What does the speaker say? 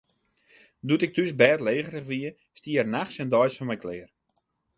Doe't ik thús bêdlegerich wie, stie er nachts en deis foar my klear.